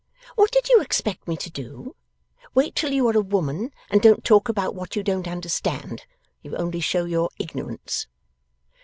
What did you expect me to do? Wait till you are a woman, and don't talk about what you don't understand. You only show your ignorance!